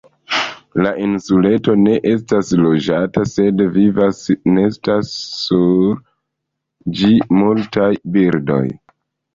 La insuleto ne estas loĝata, sed vivas, nestas sur ĝi multaj birdoj.